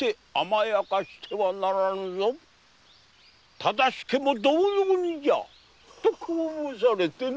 「忠相も同様にじゃ」とこう申されての。